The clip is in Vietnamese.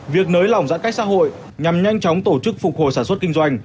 việc nới lỏng giãn cách xã hội nhằm nhanh chóng tổ chức phục hồi sản xuất kinh doanh